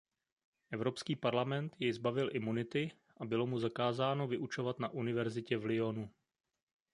Evropský parlament jej zbavil imunity a bylo mu zakázáno vyučovat na univerzitě v Lyonu.